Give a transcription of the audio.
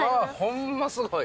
ホンマすごい。